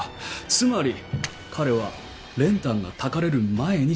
つまり彼は練炭がたかれる前に死んだ。